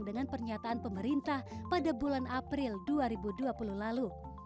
dengan pernyataan pemerintah pada bulan april dua ribu dua puluh lalu